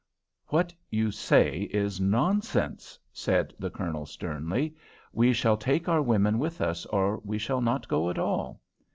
"What you say is nonsense," said the Colonel, sternly. "We shall take our women with us, or we shall not go at all."